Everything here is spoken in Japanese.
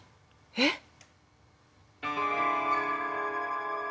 えっ？